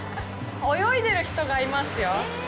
泳いでる人がいますよ。